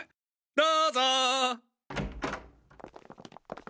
どうぞ！